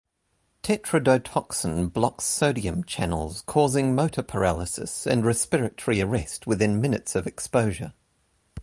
Tetrodotoxin blocks sodium channels, causing motor paralysis, and respiratory arrest within minutes of exposure.